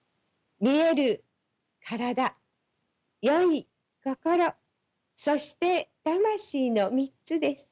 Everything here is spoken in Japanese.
見える身体良い心そして魂の３つです。